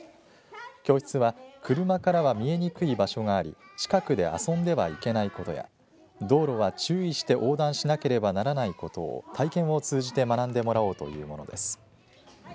教室は車からは見えにくい場所があり近くで遊んではいけないことや道路は注意して横断しなければならないことを体験を通じて学んでもらおうというものです。